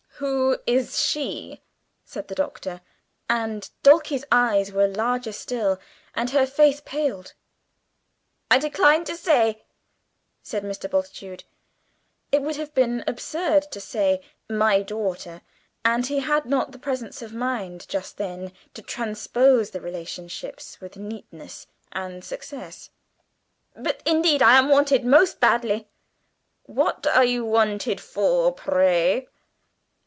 "Who is 'she'?" said the Doctor and Dulcie's eyes were larger still and her face paled. "I decline to say," said Mr. Bultitude. It would have been absurd to say 'my daughter,' and he had not presence of mind just then to transpose the relationships with neatness and success. "But indeed I am wanted most badly!" "What are you wanted for, pray?"